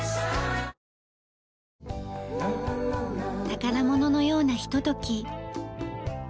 宝物のようなひととき。